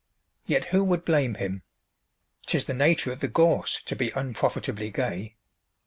Yet who would blame him? 'Tis the nature of the gorse to be "unprofitably gay."